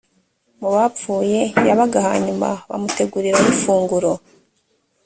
mu bapfuye yabaga hanyuma bamutegurirayo ifunguro